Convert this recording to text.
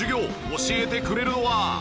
教えてくれるのは。